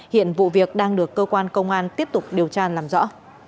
hiện vụ việc đang được cơ quan công an tiếp tục điều tra làm rõ